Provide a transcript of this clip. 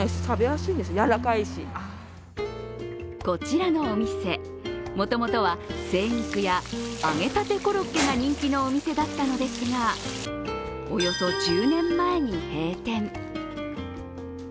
こちらのお店、もともとは精肉や揚げたてコロッケが人気のお店だったのですが、およそ１０年前に閉店。